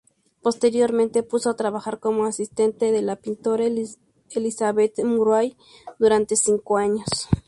Posteriormente, puso trabajar como asistente de la pintora Elizabeth Murray durante cinco años.